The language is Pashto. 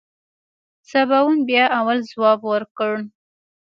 سباوون بيا اول ځواب ورکړ.